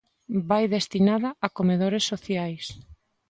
Vai destinada a comedores sociais.